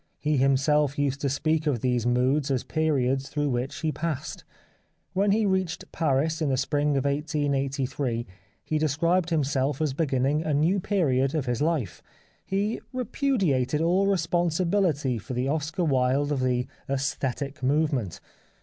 He himself used to speak of these moods as periods through which he has passed. When he reached Paris in the spring of 1883 he described himself as beginning a new period of his life . He repudiated all responsibility for the Oscar Wilde of the aesthetic movement."